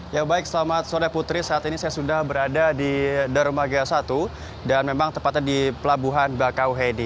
ya baik selamat sore putri saat ini saya sudah berada di dermaga satu dan memang tepatnya di pelabuhan bakauhedi